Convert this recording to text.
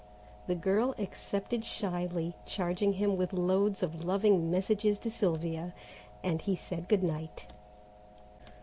The girl accepted shyly, charging him with loads of loving messages to Sylvia, and he said good night.